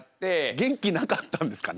「元気なかったんですかね」？